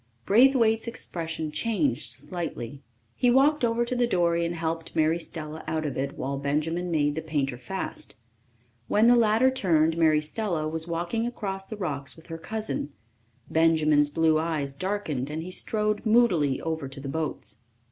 Braithwaite's expression changed slightly. He walked over to the dory and helped Mary Stella out of it while Benjamin made the painter fast. When the latter turned, Mary Stella was walking across the rocks with her cousin. Benjamin's blue eyes darkened, and he strode moodily over to the boats.